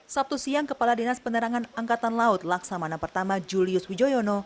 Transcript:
sabtu siang kepala dinas penerangan angkatan laut laksamana i julius wijoyono